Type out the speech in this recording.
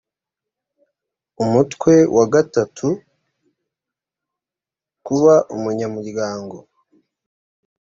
umutwe wa gatatukuba umunyamuryango